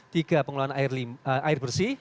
tiga pengelolaan air bersih